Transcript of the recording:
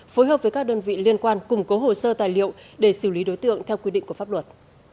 phối hợp với các đơn vị liên quan củng cố hồ sơ tài liệu để xử lý đối tượng theo quy định của pháp luật